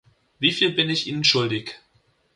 Wieviel bin ich Ihnen schuldig?